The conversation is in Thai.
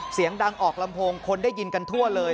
เสียงดังออกลำโพงคนได้ยินกันทั่วเลย